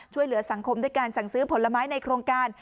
ช่วยเหลือสังคมด้วยการสั่งซื้อผลไม้ในโครงการ